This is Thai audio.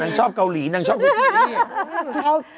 นางชอบเกาหลีนางชอบไฟร์นี้